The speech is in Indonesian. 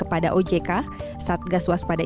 pada ojk saat gas waspada